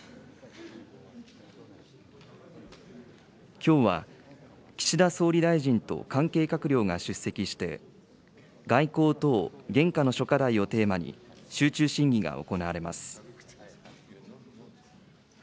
きょうは岸田総理大臣と関係閣僚が出席して、外交等現下の諸課題をテーマに、集中審議が行われます。